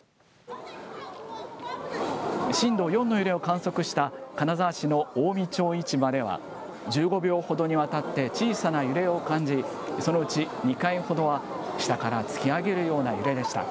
震度４の揺れを観測した、金沢市の近江町市場では、１５秒ほどにわたって小さな揺れを感じ、そのうち２回ほどは、下から突き上げるような揺れでした。